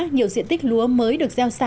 nhiều diện tích lúa mới được gieo xạ